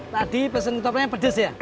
tadi pesen kotopraknya pedes ya